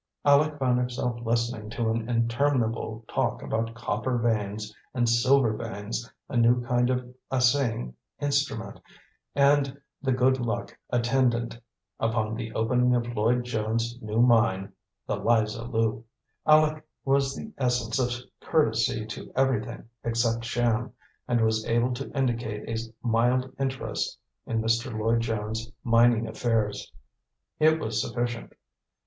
Aleck found himself listening to an interminable talk about copper veins and silver veins, a new kind of assaying instrument, and the good luck attendant upon the opening of Lloyd Jones' new mine, the Liza Lu. Aleck was the essence of courtesy to everything except sham, and was able to indicate a mild interest in Mr. Lloyd Jones' mining affairs. It was sufficient.